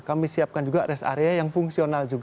kami siapkan juga rest area yang fungsional